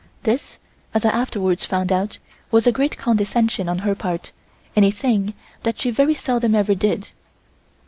This, as I afterwards found out, was a great condescension on her part and a thing that she very seldom ever did.